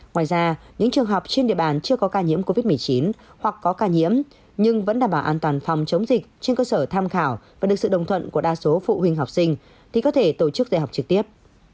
ngoài ra những trường học trên địa bàn chưa có ca nhiễm covid một mươi chín hoặc có ca nhiễm nhưng vẫn đảm bảo an toàn phòng chống dịch trên cơ sở tham khảo và được sự đồng thuận của đa số phụ huynh học sinh thì có thể tổ chức dạy học trực tiếp